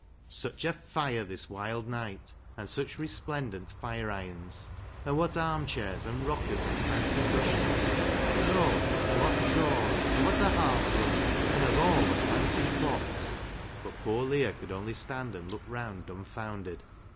Such a fire this wild night, and such re splendent fire irons ! And what arm chairs and rockers and fancy cushions ! And, oh, what drawers ! And what a hearthrug ! And of all the fancy clocks — But poor Leah could only stand and look round dumbfounded.